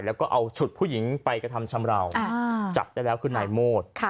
แล้วก็เอาฉุดผู้หญิงไปกระทำชำราวจับได้แล้วคือนายโมด